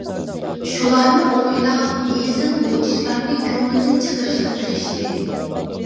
شۇلارنى ئويلاپ ھېزىم بۇ ئىشلارنى كۆڭلىدىن چىقىرىشقا تىرىشتى.